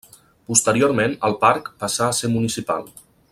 Posteriorment el parc passà a ser municipal.